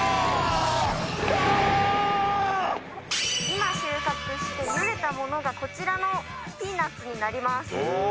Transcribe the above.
今収穫してゆでたものがこちらのピーナッツになります。